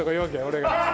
俺が。